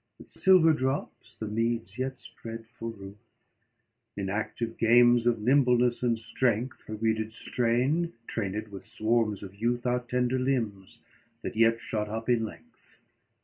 With silver drops the meads yet spread for ruth; In active games of nimbleness and strength, Where we did strain, trained with swarms of youth, Our tender limbs that yet shot up in length.